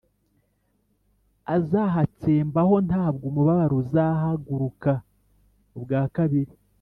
Azahatsembaho ntabwo umubabaro uzahagaruka ubwa kabiri